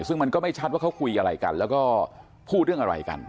ซึ่งมันก็ไม่ชัดว่าเขาคุยอะไรกันแล้วก็พูดเรื่องอะไรกัน